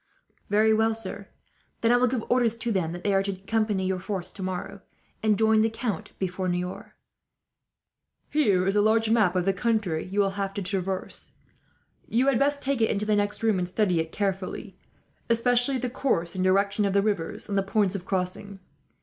"Very well, sir. Then I will give orders to them that they are to accompany your force tomorrow, and join the count before Niort." "Here is a large map of the country you will have to traverse. You had best take it into the next room, and study it carefully; especially the course and direction of the rivers, and the points of crossing.